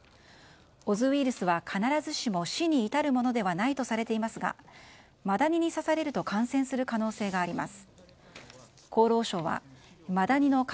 オズウイルスは必ずしも死に至るものではないとされていますがマダニに刺されると感染する可能性があります。